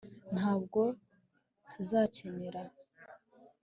ntabwo tuzakenera